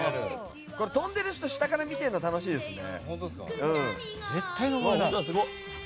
飛んでいる人、下から見ると楽しいですね。